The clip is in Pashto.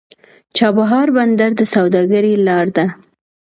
چابهار بندر د سوداګرۍ لار ده.